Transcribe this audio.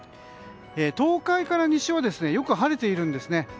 東海から西はよく晴れているんですね。